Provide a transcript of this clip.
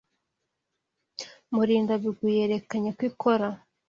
Murindabigwi yerekanye ko ikora.